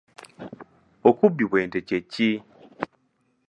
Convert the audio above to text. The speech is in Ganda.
Okubbi bw'ente kye ki?